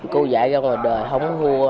cô dạy ra ngoài đời không có hua